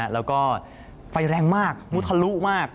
แล้วก็ไฟแรงมากมุทะลุมาก